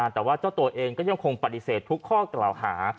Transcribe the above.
แต่ว่าเจ้าตัวเองก็ยังคงปฏิเสธทุกข้อกล่าวหา